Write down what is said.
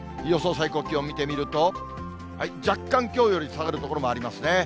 最高気温見てみると、若干、きょうより下がる所もありますね。